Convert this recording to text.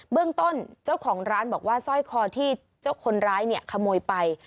เรื่องต้นเจ้าของร้านบอกว่าสร้อยคอที่เจ้าคนร้ายเนี่ยขโมยไป